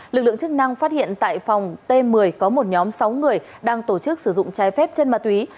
lực lượng chức năng phát hiện tại phòng t một mươi có một nhóm sáu người đang tổ chức sử dụng trái phép chân ma túy